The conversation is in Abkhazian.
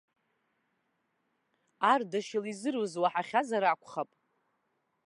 Ардашьыл изыруз уаҳахьазар акәхап?